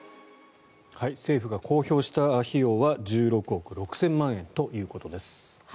政府が公表した費用は１６億６０００万円ということです。